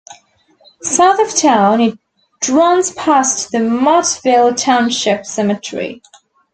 South of town, it runs past the Mottville Township Cemetery.